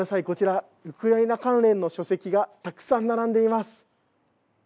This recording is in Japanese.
こちら、ウクライナ関連の書籍がたくさん並んでいます。